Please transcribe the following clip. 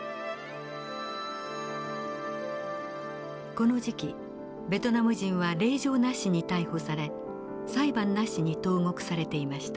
この時期ベトナム人は令状なしに逮捕され裁判なしに投獄されていました。